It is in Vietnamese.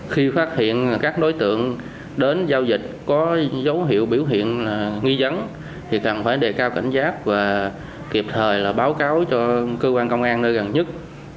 khi phát hiện các đối tượng đến giao dịch có dấu hiệu biểu hiện nghi dấn thì cần phải đề cao cảnh giác và kịp thời báo cáo cho cơ quan công an nơi gần nhất